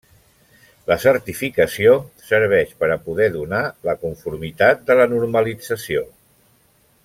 La certificació serveix per a poder donar la conformitat de la normalització.